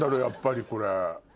やっぱりこれ。